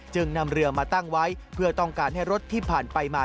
จึงนำเรือมาตั้งไว้เพื่อต้องการให้รถที่ผ่านไปมา